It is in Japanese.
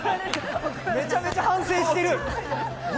めちゃめちゃ反省してる。